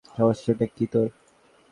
সমস্যাটা কী তোর?